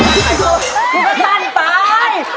ทุกคนท่านตาย